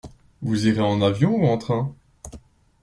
Vous irez en avion ou en train ?